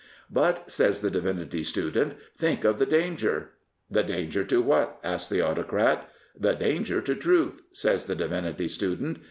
But," says the Divinity Student, " think of the danger." " The danger to what ?" asks the Autocrat. " The danger to Truth," says the Divinity Student.